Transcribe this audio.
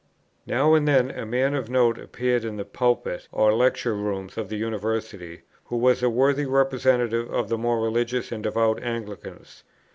Now and then a man of note appeared in the Pulpit or Lecture Rooms of the University, who was a worthy representative of the more religious and devout Anglicans.